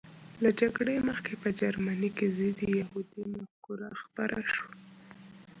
له جګړې مخکې په جرمني کې ضد یهودي مفکوره خپره شوه